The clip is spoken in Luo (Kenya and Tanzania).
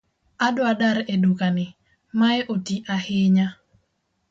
Adwa dar e duka ni , Mae otii ahinya